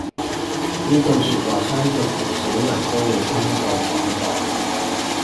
呢句說話相信唔少人都會聽過講過